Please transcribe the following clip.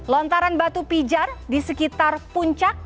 lontaran batu pijar di sekitar puncak